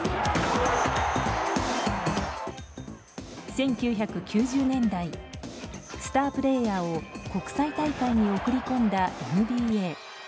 １９９０年代スタープレーヤーを国際大会に送り込んだＮＢＡ。